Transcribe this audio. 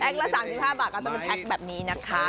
แปลกละ๓๕บาทก็จะเป็นแปลกแบบนี้นะคะ